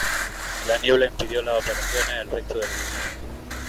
La niebla impidió las operaciones el resto del día.